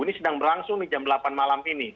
ini sedang berlangsung nih jam delapan malam ini